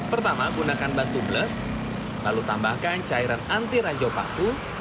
pertama gunakan batu bles lalu tambahkan cairan anti ranjau paku